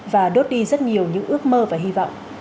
và đốt đi rất nhiều những ước mơ và hy vọng